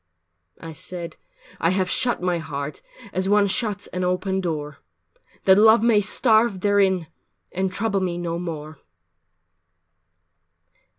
IV I said, "I have shut my heart As one shuts an open door, That Love may starve therein And trouble me no more."